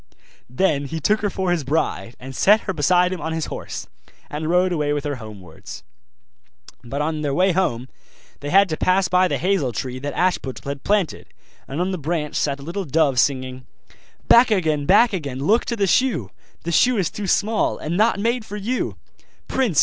Then he took her for his bride, and set her beside him on his horse, and rode away with her homewards. But on their way home they had to pass by the hazel tree that Ashputtel had planted; and on the branch sat a little dove singing: 'Back again! back again! look to the shoe! The shoe is too small, and not made for you! Prince!